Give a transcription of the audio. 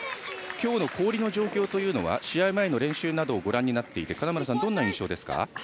今日の氷の状況というのは試合前の練習などをご覧になっていて金村さん、どんな印象ですか。